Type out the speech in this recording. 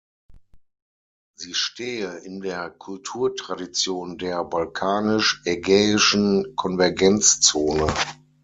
Sie stehe in der Kulturtradition der „balkanisch-ägäischen Konvergenzzone“.